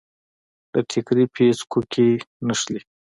د ټیکري پیڅکو کې نښلي